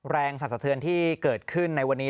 สัดสะเทือนที่เกิดขึ้นในวันนี้